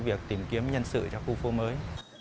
việc tìm kiếm nhân sự cho khu phố mới